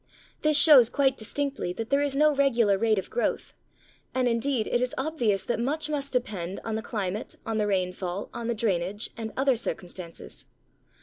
This shows quite distinctly that there is no regular rate of growth, and indeed it is obvious that much must depend on the climate, on the rainfall, on the drainage, and other circumstances.